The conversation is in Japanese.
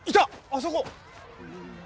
あそこ！